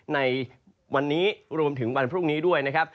ในวันนี้รวมถึงวันพรุ่งนี้ด้วยนะครับ